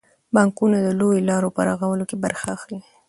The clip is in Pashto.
بانکونه د لویو لارو په رغولو کې برخه اخلي.